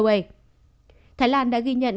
thái lan đã ghi nhận các ca bệnh đều là người nhập cảnh